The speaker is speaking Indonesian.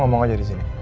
ngomong aja disini